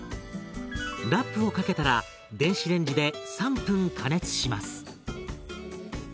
ラップをかけたら電子レンジで３分加熱します。